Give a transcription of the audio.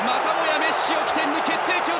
メッシを起点に決定機！